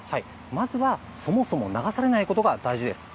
まずはそもそも流されないことが大事です。